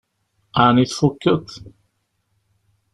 Ɛni tfukkeḍ?